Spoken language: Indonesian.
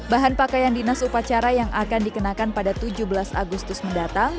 bahan pakaian dinas upacara yang akan dikenakan pada tujuh belas agustus mendatang